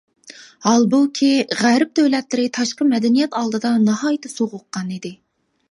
ھالبۇكى، غەرب دۆلەتلىرى تاشقى مەدەنىيەت ئالدىدا ناھايىتى سوغۇققان ئىدى.